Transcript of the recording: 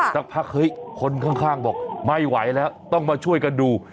สักพักเฮ้ยคนข้างบอกไม่ไหวแล้วต้องมาช่วยกันดู